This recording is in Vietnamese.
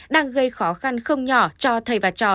đang gây khó khăn không nhỏ cho thầy và trò